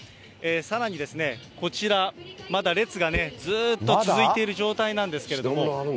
さらにこちら、まだ列がね、ずっと続いている状態なんですけれども。